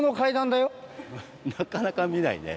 なかなか見ないね。